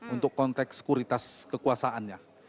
untuk konteks sekuritas kekuasaannya